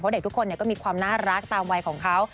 เพราะเด็กทุกคนเนี่ยก็มีความน่ารักตามวัยของเขา